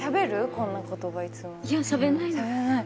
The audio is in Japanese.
こんな言葉いつもいやしゃべんないです